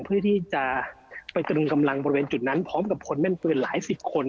เพื่อที่จะไปกระดุมกำลังบริเวณจุดนั้นพร้อมกับคนแม่นปืนหลายสิบคน